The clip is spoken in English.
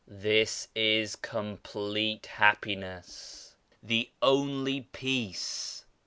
This is complete happiness; the only Peace.